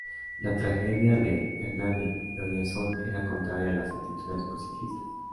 La tragedia de Hernani y Doña Sol era contraria a las actitudes positivistas.